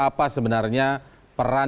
apa sebenarnya peran